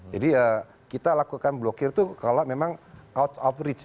jadi kita lakukan blokir itu kalau memang out of reach